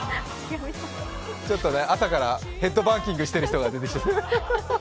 ちょっとね、朝からヘッドバンギングしてる人が出てる。